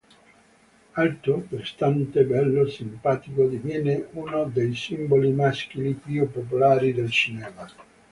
Alto, prestante, bello, simpatico, diviene uno dei simboli maschili più popolari del cinema.